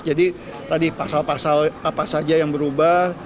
jadi tadi pasal pasal apa saja yang berubah